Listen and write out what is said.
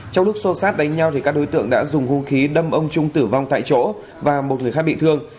trong lúc xô sát đánh nhau các đối tượng đã dùng hung khí đâm ông trung tử vong tại chỗ và một người khác bị thương